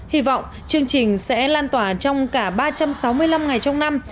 hy vọng chương trình sẽ lan tỏa trong cả ba trăm sáu mươi năm ngày trong năm